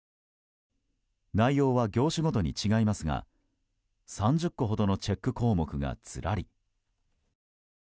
内容は業種ごとに違いますが３０個ほどのチェック項目がずらり。